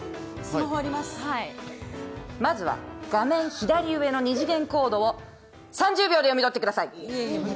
まずは画面左上の二次元コードを３０秒で読み取ってください。